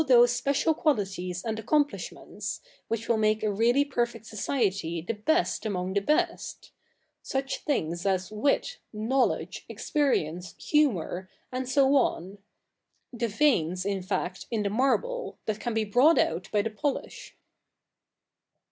se special equalities and accomplishments, which will make a really perfect society the best among the best — such things as wit, knowledge, experience, humour, and so on — the veins, in fact, in the marble, that ran be brought out by the j)olish.'